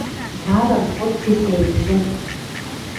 Марын кодде сӓй мӱжӓт —